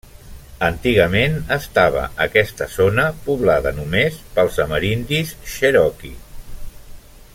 Antigament estava aquesta zona poblada només pels amerindis Cherokee.